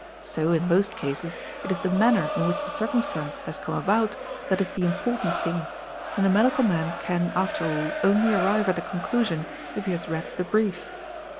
so in most cases it is the manner in which the circumstance has come about that is the important thing, and the | medical man can after all only arrive at a conclusion if he has read the brief.